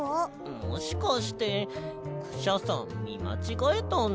もしかしてクシャさんみまちがえたんじゃ。